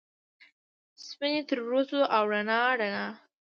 سپینې ترورځو ، او رڼا ، رڼا